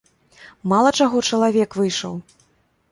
Мала чаго чалавек выйшаў.